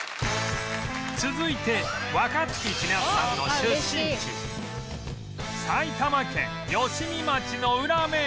続いて若槻千夏さんの出身地埼玉県吉見町のウラ名物